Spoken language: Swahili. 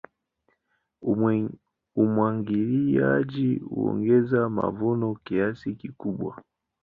Umwagiliaji huongeza mavuno kiasi kikubwa.